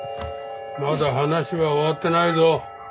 まだ話は終わってないぞ。